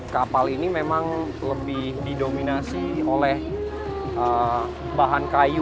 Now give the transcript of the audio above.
kapal ini memang lebih didominasi oleh bahan kayu